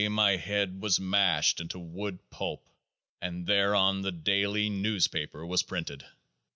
my head was mashed into wood pulp, and thereon the Daily Newspaper was printed.